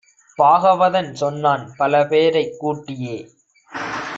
பாகவதன் சொன்னான் பலபேரைக் கூட்டியே!